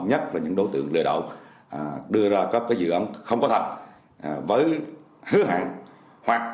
nhất là những đối tượng lừa đảo đưa ra các cái dự án không có thật với hứa hạn